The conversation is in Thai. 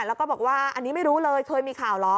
แล้วก็บอกว่าอันนี้ไม่รู้เลยเคยมีข่าวเหรอ